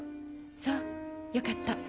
そうよかった。